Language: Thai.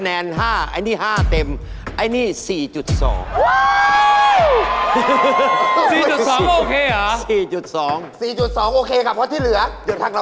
อารมณ์พอดีค่ะ